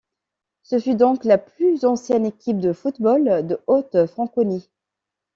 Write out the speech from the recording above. Ce fut donc la plus ancienne équipe de football de Haute Franconie.